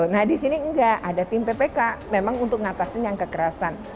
nah di sini enggak ada tim ppk memang untuk ngatasin yang kekerasan